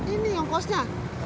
ini yang kosnya